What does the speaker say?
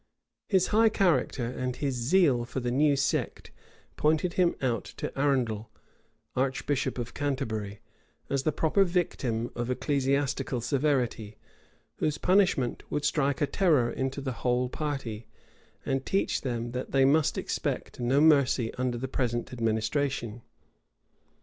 [*] His high character and his zeal for the new sect pointed him out to Arundel, archbishop of Canterbury, as the proper victim of ecclesiastical severity, whose punishment would strike a terror into the whole party, and teach them that they must expect no mercy under the present administration.